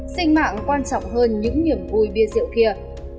sinh mạng quan trọng hơn những niềm vui bia rượu kia